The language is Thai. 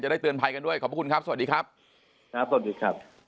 ได้เตือนภัยกันด้วยขอบคุณครับสวัสดีครับครับสวัสดีครับ